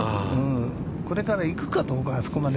これから行くかどうか、あそこまで。